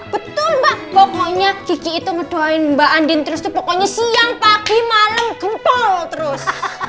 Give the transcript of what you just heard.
betul mbak pokoknya kiki itu ngedoain mbak andin terus tuh pokoknya siang pagi malem kentul terus